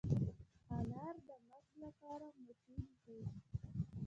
انار د مغز لپاره مفید دی.